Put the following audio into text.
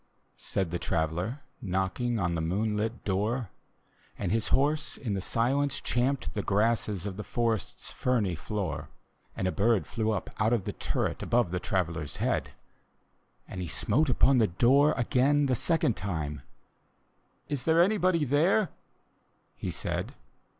" said the Traveller, Knocking on the moonlit door; And his horse in the silence champed the grasses Of the forest's ferny floor: And a bird flew up out of the turret. Above the Traveller's head: And he smote upon the door again the second time; " Is there anybody there? " he said.